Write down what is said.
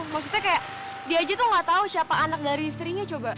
maksudnya kayak dia aja tuh gak tahu siapa anak dari istrinya coba